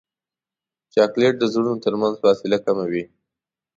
چاکلېټ د زړونو ترمنځ فاصله کموي.